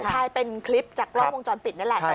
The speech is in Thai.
ใช่เป็นคลิปจากกล้องวงจรปิดนี่แหละ